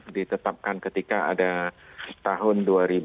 ditetapkan ketika ada tahun dua ribu delapan belas dua ribu tujuh belas